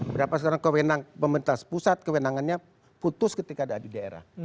berapa sekarang kewenangan pemerintah pusat kewenangannya putus ketika ada di daerah